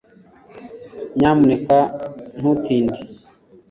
nyamuneka ntutinde